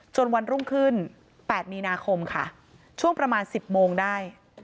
วันรุ่งขึ้น๘มีนาคมค่ะช่วงประมาณ๑๐โมงได้